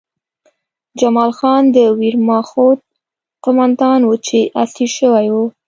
جمال خان د ویرماخت قومندان و چې اسیر شوی و